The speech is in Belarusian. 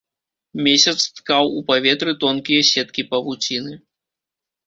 Месяц ткаў у паветры тонкія сеткі павуціны.